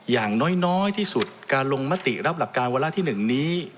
อย่างน้อยที่สุดการลงมติรับหลักการวาระที่๑นี้